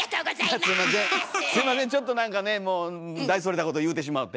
すいませんちょっと何かねもう大それたこと言うてしまって。